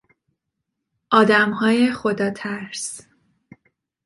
آدمهای خداترس